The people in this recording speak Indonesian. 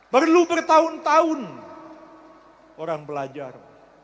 perlu bertahun tahun orang belajar